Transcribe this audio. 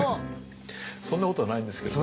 そんなことはないんですけれども。